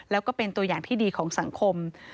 แล้วก็เป็นตัวอย่างที่ดีของสังคม